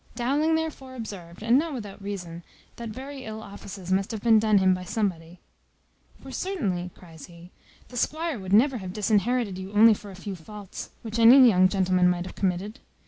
Dowling therefore observed, and not without reason, that very ill offices must have been done him by somebody: "For certainly," cries he, "the squire would never have disinherited you only for a few faults, which any young gentleman might have committed.